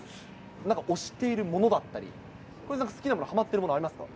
なんか推しているものだったり、なんか好きなもの、ハマっているもの、ありますか。